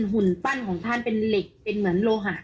หุ่นปั้นของท่านเป็นเหล็กเป็นเหมือนโลหะ